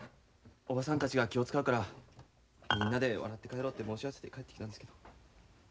おばさんたちが気を遣うからみんなで笑って帰ろうって申し合わせて帰ってきたんですけど。